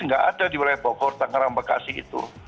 nggak ada di wilayah bogor tangerang bekasi itu